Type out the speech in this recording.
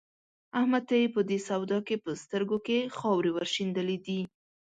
احمد ته يې په دې سودا کې په سترګو کې خاورې ور شيندلې دي.